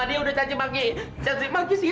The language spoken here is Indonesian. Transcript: dia sudah cacim lagi cacim lagi